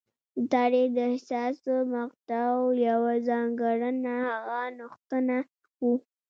د تاریخ د حساسو مقطعو یوه ځانګړنه هغه نوښتونه وو